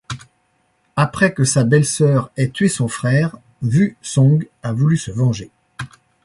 Après que sa belle-sœur ait tué son frère, Wu Song a voulu se venger.